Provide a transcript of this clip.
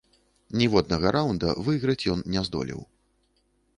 Ніводнага раўнда выйграць ён не здолеў.